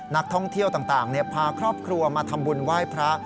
นักท่องเที่ยวต่างพาครอบครัวมาทำบุญไหว้พระ